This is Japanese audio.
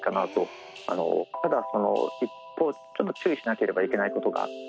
ただ一方ちょっと注意しなければいけないことがあって。